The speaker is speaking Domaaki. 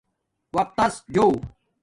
وقتس جو